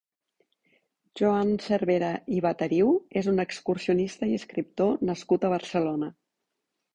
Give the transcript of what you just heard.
Joan Cervera i Batariu és un excursionista i escriptor nascut a Barcelona.